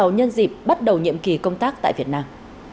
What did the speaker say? nhân dịp bắt đầu nhiệm kỳ công tác tại việt nam